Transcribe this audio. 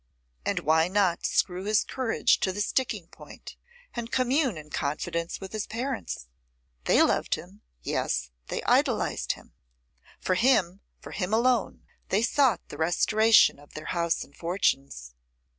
And why not screw his courage to the sticking point, and commune in confidence with his parents? They loved him; yes, they idolised him! For him, for him alone, they sought the restoration of their house and fortunes.